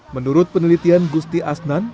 menurut penelitian gusti asnan